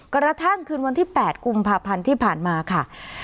กระทั่งคืนวันที่๘กุมภาพันธ์ที่ผ่านมาค่ะ